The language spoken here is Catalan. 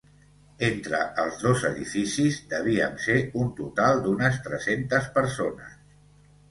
Entre els dos edificis, devíem ser un total d'unes tres-centes persones.